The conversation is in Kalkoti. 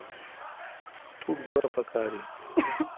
توٹھ گوا پکار این۔